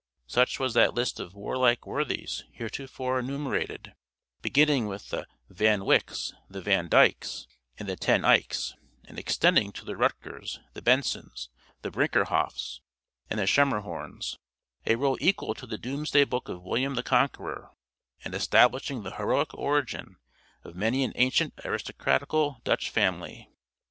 Such was that list of warlike worthies heretofore enumerated, beginning with the Van Wycks, the Van Dycks, and the Ten Eycks, and extending to the Rutgers, the Bensons, the Brinkerhoffs, and the Schermerhorns; a roll equal to the Doomsday Book of William the Conqueror, and establishing the heroic origin of many an ancient aristocratical Dutch family.